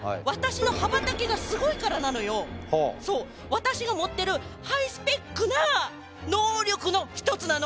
私が持ってるハイスペックな能力の一つなの！